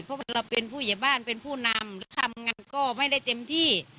เพราะเราเป็นผู้เหยียบ้านเป็นผู้นำทำงานก็ไม่ได้เต็มที่